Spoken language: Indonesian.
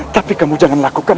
tapi kamu jangan melakukan